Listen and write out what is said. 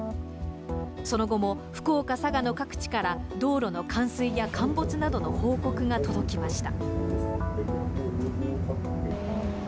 その後も福岡、佐賀の各地から、道路の冠水や陥没などの報告が届きました。